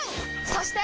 そして！